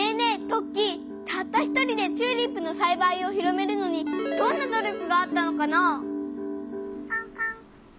トッキーたった１人でチューリップのさいばいを広めるのにどんな努力があったのかな？